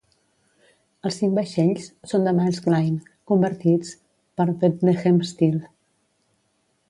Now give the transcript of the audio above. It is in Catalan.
Els cinc vaixells són de Maersk Line convertits per Bethlehem Steel.